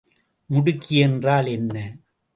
முடுக்கி என்றால் என்ன?